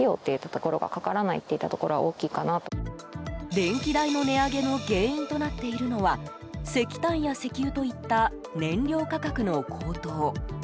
電気代の値上げの原因となっているのは石炭や石油といった燃料価格の高騰。